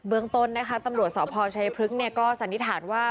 เบื้องต้นนะครับตำรวจสอบพชพลึกเนี่ยก็สันนิษฐานว่า